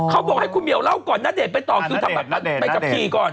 เขาบอกให้มีลเล่าก่อนน่ะเด่นไปต่อคุณไปกับพี่ก่อน